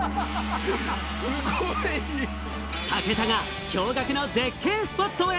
武田が驚愕の絶景スポットへ。